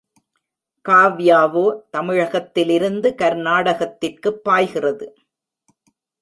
காவ்யாவோ தமிழகத்திலிருந்து கர்நாடகத்திற்குப் பாய்கிறது.